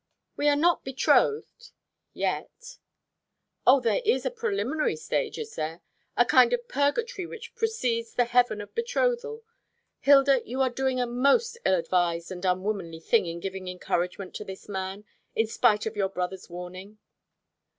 "We are not betrothed yet." "O, there is a preliminary stage, is there? A kind of purgatory which precedes the heaven of betrothal. Hilda, you are doing a most ill advised and unwomanly thing in giving encouragement to this man, in spite of your brother's warning."